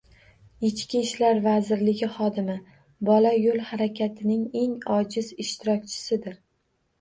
Ichki ishlar vazirligi xodimi: Bola yo‘l harakatining eng ojiz ishtirokchisidir.